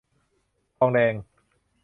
ทองแดง